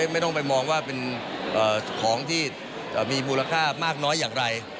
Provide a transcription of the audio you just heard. ไม่ต้องไปมองว่าเป็นของที่มีมูลค่ามากน้อยอย่างไร